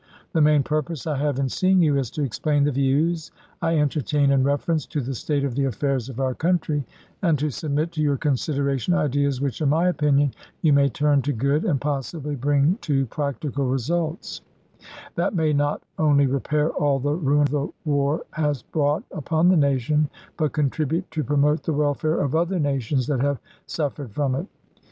The main purpose I have in seeing you is to explain the views I entertain in reference to the state of the affairs of our country, and to submit to your consideration ideas which in my opinion you may turn to good and possibly bring to practical results — that may not only repair all the ruin the war has brought upon the nation, but contribute to promote the welfare of other nations that have suffered from it.